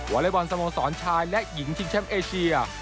อเล็กบอลสโมสรชายและหญิงชิงแชมป์เอเชีย